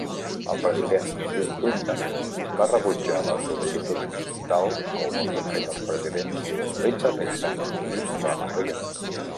El president Bill Clinton va rebutjar la sol·licitud, tal com ho havien fet els presidents Richard Nixon i Ronald Reagan.